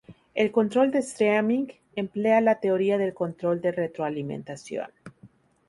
El control de streaming emplea la teoría del control de retroalimentación.